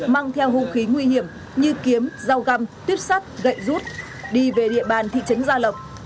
mang theo hung khí nguy hiểm như kiếm rau găm tuyếp sắt gậy rút đi về địa bàn thị trấn gia lộc